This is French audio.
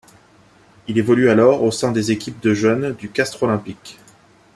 Il évolue alors au sein des équipes de jeunes du Castres olympique.